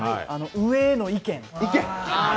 上への意見。